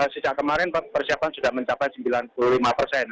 sejak kemarin persiapan sudah mencapai sembilan puluh lima persen